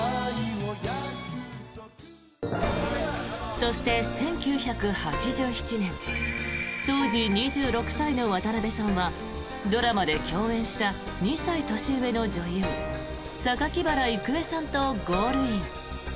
そして１９８７年当時２６歳の渡辺さんはドラマで共演した２歳年上の女優榊原郁恵さんとゴールイン。